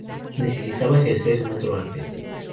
Necesitaba ejercer en otro arte.